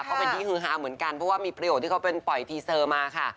ก็เป็นที่ฮือฮาเหมือนกันเพราะว่ามีประโยคที่เขาเป็นปล่อยทีเซอร์มาค่ะ